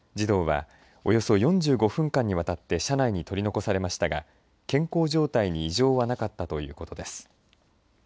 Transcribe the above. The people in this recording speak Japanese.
児童はおよそ４５分間にわたって車内に取り残されましたが健康状態に異常はなかったということです。